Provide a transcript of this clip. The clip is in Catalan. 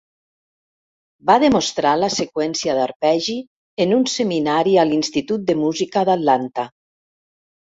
Va demostrar la seqüència d'arpegi en un seminari a l'Institut de Música d'Atlanta.